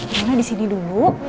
nona disini dulu